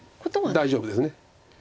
大丈夫です。